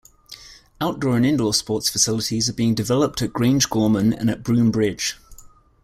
Outdoor and indoor sports facilities are being developed at Grangegorman and at Broom Bridge.